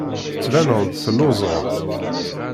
Tettbaneḍ-d telluẓeḍ.